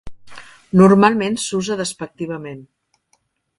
Normalment s'usa despectivament.